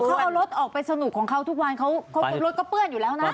เขาเอารถออกไปสนุกของเขาทุกวันเขารถก็เปื้อนอยู่แล้วนะ